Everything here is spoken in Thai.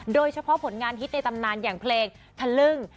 โดยเฉพาะผลงานฮิตในตำนานอย่างเพลงทะลึ่ง